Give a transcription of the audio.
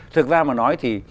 thực ra mà nói thì